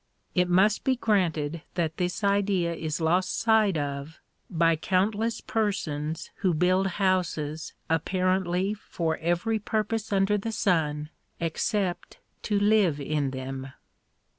It must be granted that this idea is lost sight of by countless persons who build houses apparently for every purpose under the sun except to live in them.